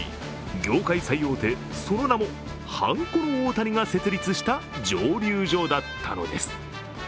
業界最大手、その名もはんこの大谷が設立した蒸溜所だったのです。